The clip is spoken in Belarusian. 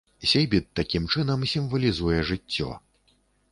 Сейбіт, такім чынам, сімвалізуе жыццё.